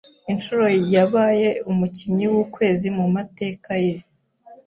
Inshuro yabaye umukinnyi w’ukwezi mu mateka ye.